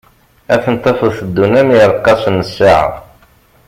Ad ten-tafeḍ tteddun am yireqqasen n ssaɛa.